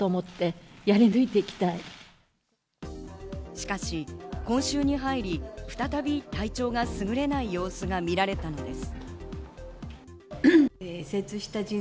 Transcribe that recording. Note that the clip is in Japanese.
しかし今週に入り、再び体調がすぐれない様子が見られたのです。